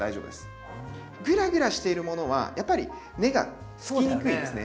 グラグラしているものはやっぱり根がつきにくいんですね。